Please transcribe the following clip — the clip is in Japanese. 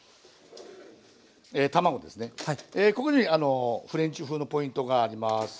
ここにフレンチ風のポイントがあります。